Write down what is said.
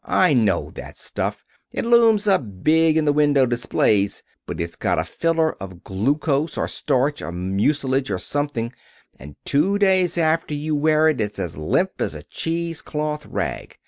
I know that stuff. It looms up big in the window displays, but it's got a filler of glucose, or starch or mucilage or something, and two days after you wear it it's as limp as a cheesecloth rag.